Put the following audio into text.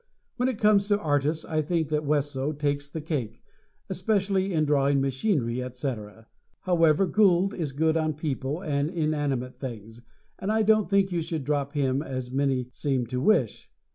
When it comes to artists I think that Wesso takes the cake, especially in drawing machinery, etc. However, Gould is good on people and inanimate things, and I don't think you should drop him as many seem to wish.